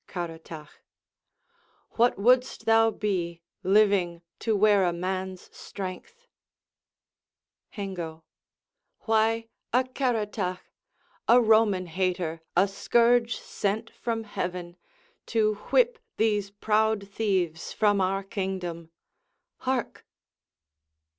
Caratach What wouldst thou be, living To wear a man's strength! Hengo Why, a Caratach, A Roman hater, a scourge sent from Heaven To whip these proud thieves from our kingdom. Hark!